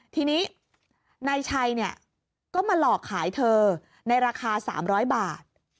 ทีนี้นายชัยก็มาหลอกขายเธอในราคา๓๐๐บาท